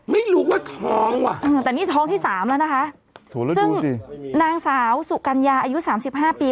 ไม่รู้ว่าท้องว่ะแต่นี่ท้องที่สามแล้วนะคะซึ่งนางสาวสุกัญญาอายุสามสิบห้าปี